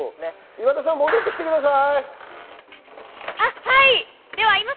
岩田さん戻ってきてください。